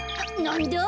なんだ？